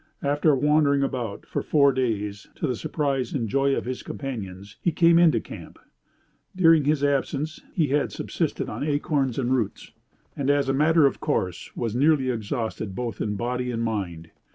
After wandering about for four days, to the surprise and joy of his companions, he came into camp. During his absence he had subsisted on acorns and roots, and, as a matter of course, was nearly exhausted both in body and mind.